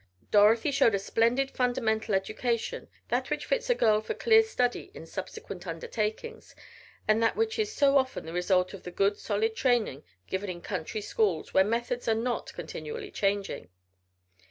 Dorothy showed a splendid fundamental education; that which fits a girl for clear study in subsequent undertakings, and that which is so often the result of the good solid training given in country schools where methods are not continually changing.